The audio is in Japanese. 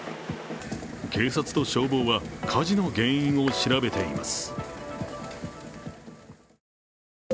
警察と消防は火事の原因を調べています。